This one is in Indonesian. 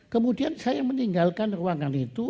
kemudian saya meninggalkan ruangan itu